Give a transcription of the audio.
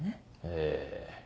ええ。